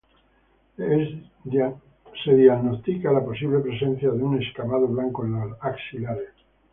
Es diagnóstica la posible presencia de un escamado blanco en los axilares.